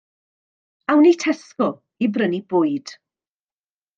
Awn ni i Tesco i brynu bwyd.